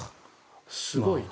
すごいね。